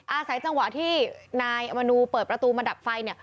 อาศัยจังหวะที่นายอมนูเปิดประตูมาดับไฟเนี่ย